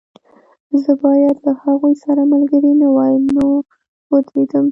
زه باید له هغوی سره ملګری نه وای نو ودرېدم